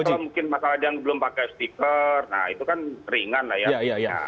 atau mungkin masalah yang belum pakai stiker nah itu kan ringan lah ya